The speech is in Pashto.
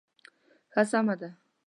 ښه سمه ده.